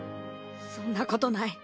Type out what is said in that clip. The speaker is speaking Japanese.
そんなことない。